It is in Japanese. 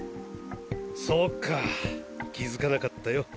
そっか気づかなかったよ。